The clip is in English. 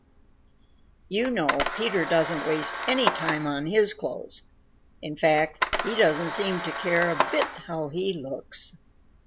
You know Peter doesn't waste any time on his clothes. In fact, he doesn't seem to care a bit how he looks.